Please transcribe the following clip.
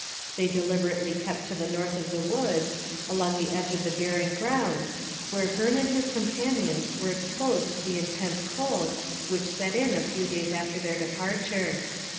They deliberately kept to the north of the woods, along the edge of the barren grounds, where Hearne and his companions were exposed to the intense cold which set in a few days after their departure.